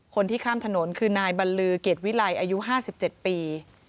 คนที่ข้ามถนนคือนายบัลลือเกรดวิไลอายุ๕๗ปี